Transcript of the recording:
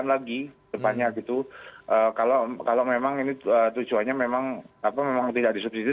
tapi kalau kita turun lagi depannya gitu kalau memang ini tujuannya memang tidak disubsidi